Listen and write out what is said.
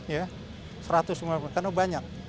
ya satu ratus lima puluh karena banyak